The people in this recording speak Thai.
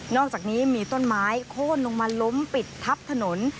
อกจากนี้มีต้นไม้โค้นลงมาล้มปิดทับถนน